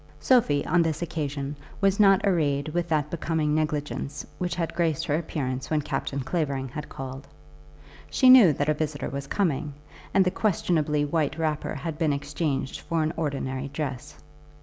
Sophie on this occasion was not arrayed with that becoming negligence which had graced her appearance when Captain Clavering had called. She knew that a visitor was coming, and the questionably white wrapper had been exchanged for an ordinary dress.